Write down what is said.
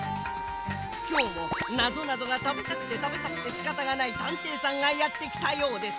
きょうもなぞなぞがたべたくてたべたくてしかたがないたんていさんがやってきたようです。